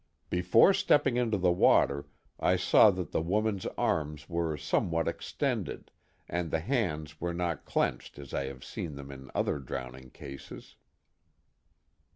Before stepping into the water I saw that the woman's arms were somewhat extended, and the hands were not clenched as I have seen them in other drowning cases."